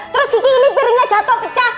terus kiki ini piringnya jatuh pecah